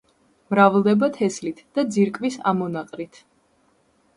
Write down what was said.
მრავლდება თესლით და ძირკვის ამონაყრით.